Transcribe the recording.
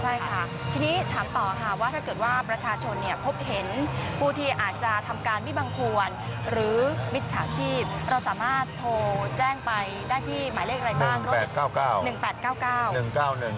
ใช่ค่ะทีนี้ถามต่อค่ะว่าถ้าเกิดว่าประชาชนพบเห็นผู้ที่อาจจะทำการไม่บังควรหรือมิจฉาชีพเราสามารถโทรแจ้งไปได้ที่หมายเลขอะไรบ้างรถ